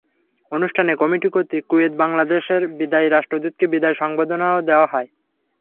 অনুষ্ঠানে কমিটি কর্তৃক কুয়েতে বাংলাদেশের বিদায়ী রাষ্ট্রদূতকে বিদায় সংবর্ধনাও দেওয়া হয়।